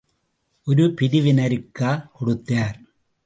ஒரு பிரிவினருக்கா கொடுத்தார்?